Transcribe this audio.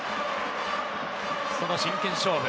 その真剣勝負。